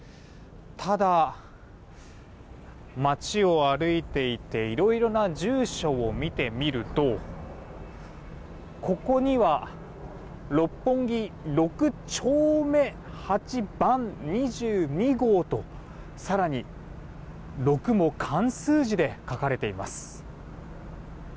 ただ、街を歩いていていろいろな住所を見てみるとここには六本木六丁目８番２２号と更に六も漢数字で書かれています。